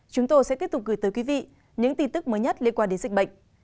chúng tôi sẽ tiếp tục gửi tới quý vị những tin tức mới nhất liên quan đến dịch bệnh